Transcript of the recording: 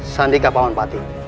sandi kak paman pati